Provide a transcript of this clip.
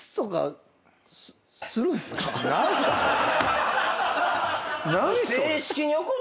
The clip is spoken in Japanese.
何すかそれ。